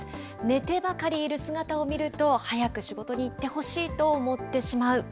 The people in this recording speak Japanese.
寝てばかりいる姿を見ると、早く仕事に行ってほしいと思ってしまう。